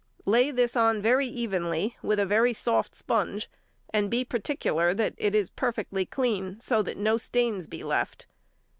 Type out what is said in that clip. Lay this on very evenly with a very soft sponge, and be particular that it is perfectly clean, so that no stains be left.